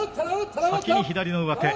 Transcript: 先に左の上手。